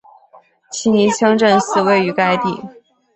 奇尼清真寺位于该地。